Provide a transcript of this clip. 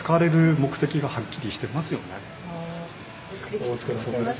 お疲れさまです。